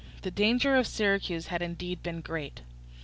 The danger of Syracuse had indeed been great.